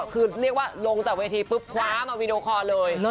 คือเรียกว่าลงจากเวทีปุ๊บคว้ามาวีดีโอคอร์เลย